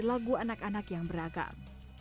lagu anak anak yang beragam